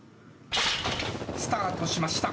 スタートしました。